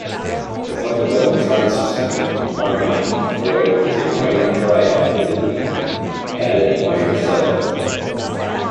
The fundamental consonant harmony employed is a minor triad with an added minor seventh.